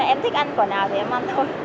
em thích ăn quả nào thì em ăn thôi